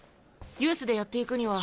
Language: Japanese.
ユースでやっていくには。